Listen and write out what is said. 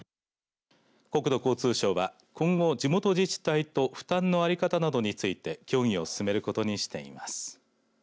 国土交通省は今後、地元自治体と負担の在り方などについて協議を進めることにしています。